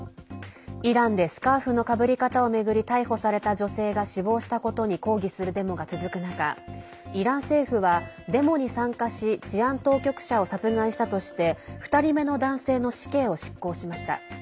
イランでスカーフのかぶり方を巡り逮捕された女性が死亡したことに抗議するデモが続く中イラン政府は、デモに参加し治安当局者を殺害したとして２人目の男性の死刑を執行しました。